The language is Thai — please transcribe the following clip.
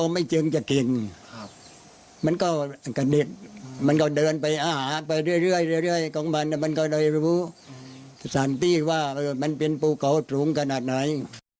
มันเป็นภูเขาถุหุ้นขนาดไหน